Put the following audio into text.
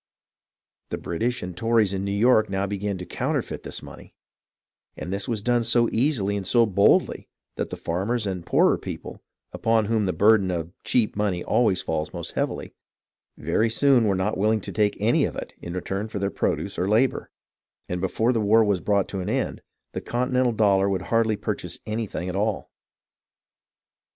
The British and Tories in New York now began to counterfeit this money, and this was done so easily and so boldly that the farmers and the poorer people, upon whom the burden of "cheap money" always falls most heavily, very soon were not willing to take any of it in return for their produce or labour ; and before the war was brought to an end, the con tinental dollars would hardly purchase anything at all.